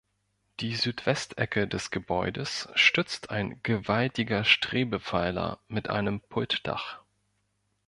Die Südwestecke des Gebäudes stützt ein „gewaltiger Strebepfeiler“ mit einem Pultdach.